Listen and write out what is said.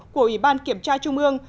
của ủy ban kiểm tra trung ương